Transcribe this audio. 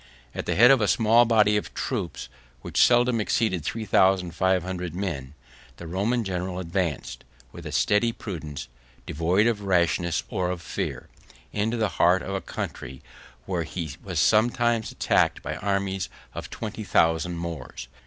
At the head of a small body of troops, which seldom exceeded three thousand five hundred men, the Roman general advanced, with a steady prudence, devoid of rashness or of fear, into the heart of a country, where he was sometimes attacked by armies of twenty thousand Moors.